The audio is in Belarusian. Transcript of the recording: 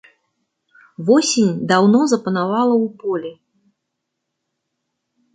Восень даўно запанавала ў полі.